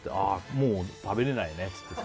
もう食べれないねって。